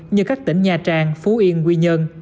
như các tỉnh nhà trang phú yên quy nhơn